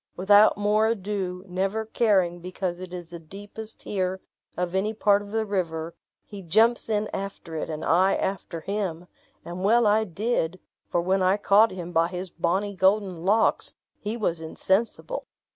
Without more ado, never caring because it is the deepest here of any part of the river, he jumps in after it, and I after him; and well I did, for when I caught him by his bonny golden locks, he was insensible.